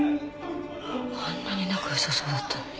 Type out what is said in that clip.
あんなに仲良さそうだったのに。